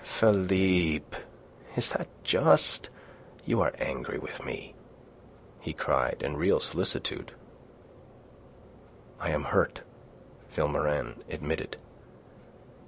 "Philippe, is that just? You are angry with me!" he cried, in real solicitude. "I am hurt," Vilmorin admitted.